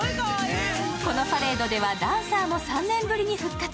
このパレードではダンサーも３年ぶりに復活。